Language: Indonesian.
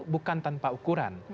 bukan tanpa ukuran